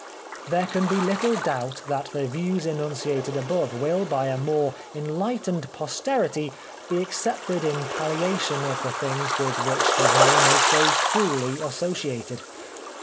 There can be little doubt that the views enunciated above will by a more en lightened posterity be accepted in palliation of the things with which his name is so cruelly associated.